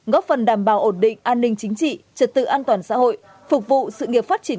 góp phần đảm bảo ổn định an ninh chính trị trật tự an toàn xã hội phục vụ sự nghiệp phát triển